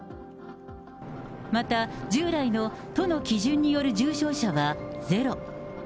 また、従来の都の基準による重症者はゼロ。